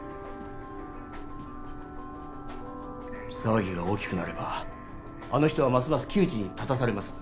騒ぎが大きくなればあの人はますます窮地に立たされます